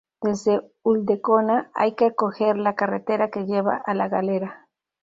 Desde Ulldecona, hay que coger la carretera que lleva a la Galera.